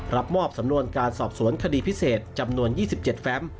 รับมอบสำนวนการสอบสวนคดีพิเศษจำนวน๒๗แฟม